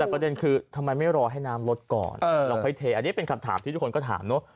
แต่ประเด็นคือทำไมไม่รอให้น้ำลดก่อนเราค่อยเทอันนี้เป็นคำถามที่ทุกคนก็ถามเนอะ